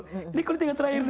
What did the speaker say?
ini kulitnya yang terakhir nih